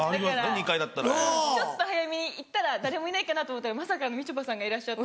２階だったらね・ちょっと早めに行ったら誰もいないかなと思ったらまさかみちょぱさんがいらっしゃった。